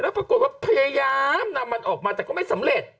ปรากฏว่าพยายามนำมันออกมาแต่ก็ไม่สำเร็จ